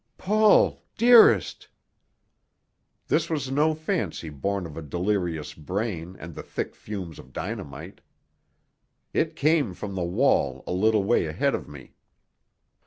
"Paul! Dearest!" This was no fancy born of a delirious brain and the thick fumes of dynamite. It came from the wall a little way ahead of me.